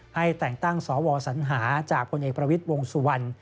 ให้แต่งตั้งสวสัญหาจากพลเอกประวิทย์วงสุวรรณ